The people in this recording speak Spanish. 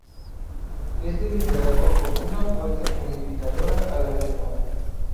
Este liderazgo aportó una fuerza unificadora a la lengua.